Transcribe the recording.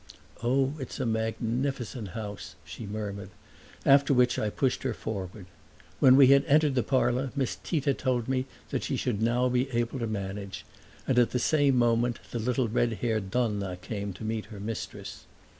"Oh, it's a magnificent house!" she murmured; after which I pushed her forward. When we had entered the parlor Miss Tita told me that she should now be able to manage, and at the same moment the little red haired donna came to meet her mistress.